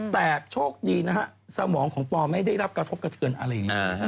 แต่โชคดีนะฮะสมองของปอไม่ได้รับกระทบกระเทือนอะไรอย่างนี้